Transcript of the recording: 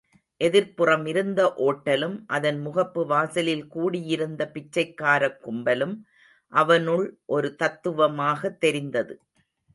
எதிர்ப்புறம் இருந்த ஓட்டலும் அதன் முகப்பு வாசலில் கூடியிருந்த பிச்சைக்காரக் கும்பலும் அவனுள் ஒரு தத்துவமாகத் தெரிந்தது.